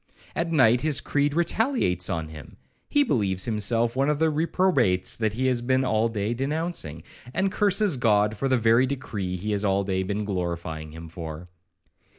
At night his creed retaliates on him; he believes himself one of the reprobates he has been all day denouncing, and curses God for the very decree he has all day been glorifying Him for.